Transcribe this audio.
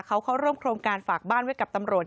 เขาเข้าร่วมโครงการฝากบ้านไว้กับตำรวจ